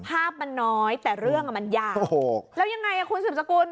ภาพมันน้อยแต่เรื่องอ่ะมันยากโอ้โหแล้วยังไงคุณสืบสกุล